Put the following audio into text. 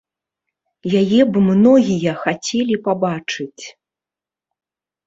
Яе б многія хацелі пабачыць.